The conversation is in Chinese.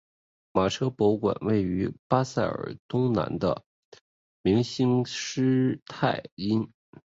马车博物馆位于巴塞尔东南的明兴施泰因。